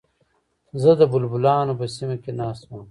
زه د بلبلانو په سیمه کې ناست وم.